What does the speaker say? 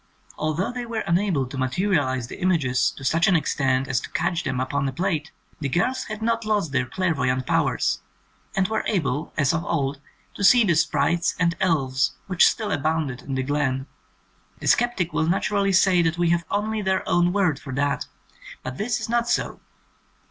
Although they were unable to materialize the images to such an extent as to catch them upon a plate, the girls had not lost their clairvoyant powers, and were able, as of old, to see the sprites and elves which still abounded in the glen. The sceptic will naturally say that we have only their own word for that, but this is not so.